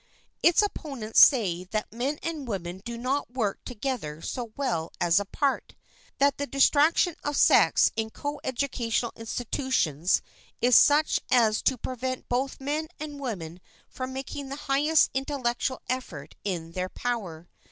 Its opponents say that men and women do not work together so well as apart, that the distraction of sex in coeducational institutions is such as to prevent both men and women from making the highest intellectual effort in their power.